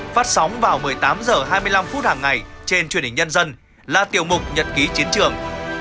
phát sóng vào một mươi tám h hai mươi năm phút hàng ngày trên truyền hình nhân dân là tiểu mục nhật ký chiến trường